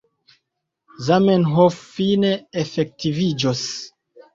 Zamenhof fine efektiviĝos.